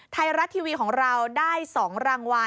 ไทยรัฐทีวีของเราได้๒รางวัล